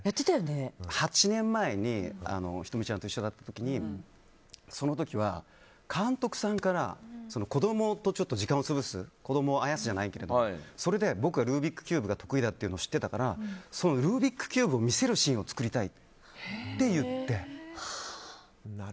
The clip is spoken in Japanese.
８年前に仁美ちゃんと一緒だった時にその時は、監督さんから子供と時間を潰す子供をあやすじゃないけどそれで僕がルービックキューブが得意だっていうのを知ってたからルービックキューブを見せるシーンを作りたいと言って。